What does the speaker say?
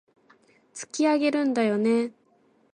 突き上げるんだよね